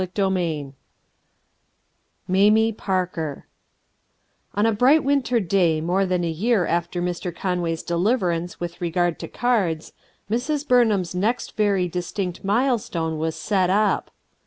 ■ i chapter nr MAMIE TARKER /^WN a bright winter day more than a year V / after Mr. Conway's deliverance with re gard to cards, Sirs, BurnhanVs next very dis tinct milestone was set up.